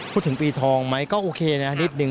พูดถึงปีทองไหมก็โอเคนะนิดนึ